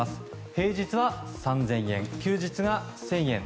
平日は３０００円休日が１０００円。